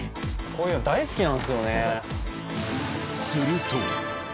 こういうの大好きなんですよすると。